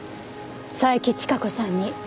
佐伯千加子さんに。